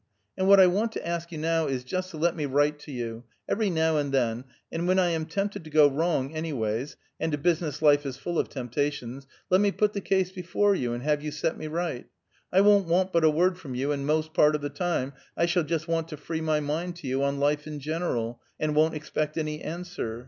And what I want to ask you now, is just to let me write to you, every now and then, and when I am tempted to go wrong, anyways and a business life is full of temptations let me put the case before you, and have you set me right. I won't want but a word from you, and most part of the time, I shall just want to free my mind to you on life in general, and won't expect any answer.